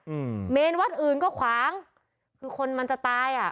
อืมเมนวัดอื่นก็ขวางคือคนมันจะตายอ่ะ